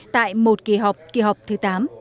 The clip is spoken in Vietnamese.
tại một kỳ họp kỳ họp thứ tám